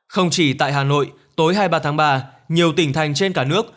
không chỉ tại hà nội tối hai mươi ba tháng ba nhiều tỉnh thành trên cả nước